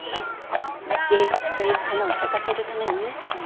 芸術という花を咲かせるためのね。